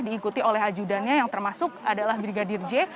diikuti oleh ajudannya yang termasuk adalah brigadir j